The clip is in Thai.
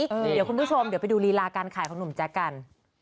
เดี๋ยวคุณผู้ชมเดี๋ยวไปดูรีลาการขายของหนุ่มแจ๊คกัน